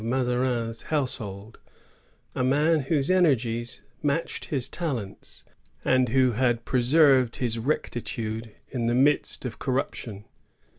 288 Mazarines household, — a man whose energies matched his talents, and who had preserved his rectitude in the midst of corruption.